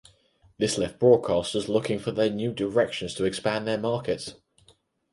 This left broadcasters looking for new directions to expand their markets.